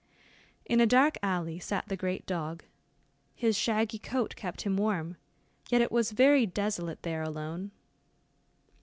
In a dark alley sat the great dog. His shaggy coat kept him warm, yet it was very desolate there alone.